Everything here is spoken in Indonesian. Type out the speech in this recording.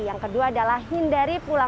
yang kedua adalah hindari pula